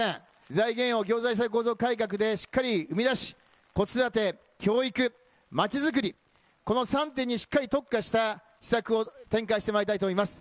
財源を行財政構造改革でしっかり生み出し、子育て・教育・まちづくり、この３点にしっかり特化した施策を展開してまいりたいと思います。